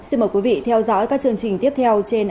xin mời quý vị theo dõi các chương trình tiếp theo trên antv